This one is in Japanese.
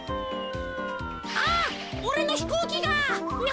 あおれのひこうきが！